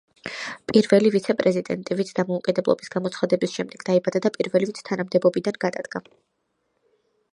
პირველი ვიცე-პრეზიდენტი, ვინც დამოუკიდებლობის გამოცხადების შემდეგ დაიბადა და პირველი, ვინც თანამდებობიდან გადადგა.